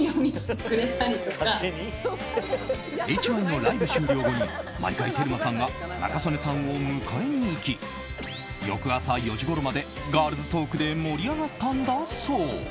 ＨＹのライブ終了後に毎回、テルマさんが仲宗根さんを迎えに行き翌朝４時ごろまでガールズトークで盛り上がったんだそう。